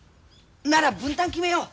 なら分担決めよう。